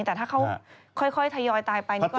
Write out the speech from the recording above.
แต่ถ้าเขาค่อยทยอยตายไปนี่ก็น้องบ้า